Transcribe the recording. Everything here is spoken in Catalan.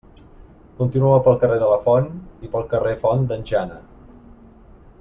Continua pel carrer de la Font i pel carrer Font d'en Jana.